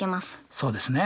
そうですね。